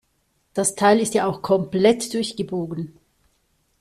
Das Teil ist ja auch komplett durchgebogen.